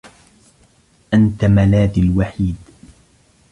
أنت ملاذي الوحيد.